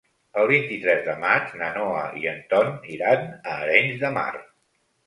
El vint-i-tres de maig na Noa i en Ton iran a Arenys de Mar.